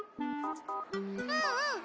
うんうん。